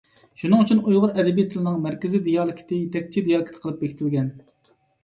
شۇنىڭ ئۈچۈن ئۇيغۇر ئەدەبىي تىلىنىڭ مەركىزىي دىئالېكتى يېتەكچى دىئالېكت قىلىپ بېكىتىلگەن.